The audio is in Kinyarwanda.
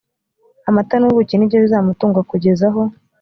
amata n ubuki ni byo bizamutunga kugeza aho